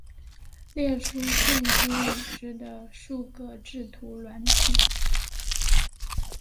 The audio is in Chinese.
列出现今已知的数个制图软体